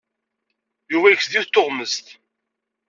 Yuba yekkes-d yiwet n tuɣmest.